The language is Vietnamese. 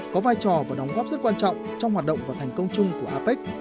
có vai trò và đóng góp rất quan trọng trong hoạt động và thành công chung của apec